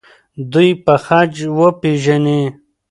دوی به خج وپیژني.